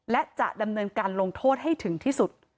และจะดำเนินการลงโทษให้ถึงที่สุด